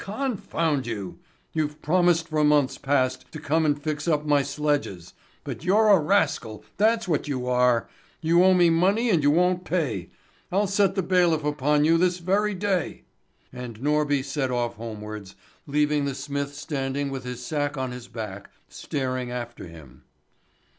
"Confound you! You've promised for months past to come and fix up my sledges; but you're a rascal, that's what you are! You owe me money and you won't pay. I'll set the bailiff upon you this very day!" And Norby set off homewards, leaving the smith standing with his sack on his back, staring after him.